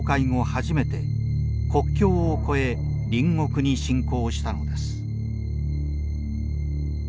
初めて国境を越え隣国に侵攻したのです。